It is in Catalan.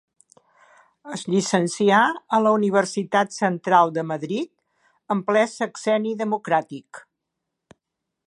Es llicencià a la Universitat Central de Madrid en ple sexenni democràtic.